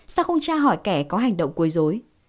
sao không cha hỏi kẻ có hành động quấy dối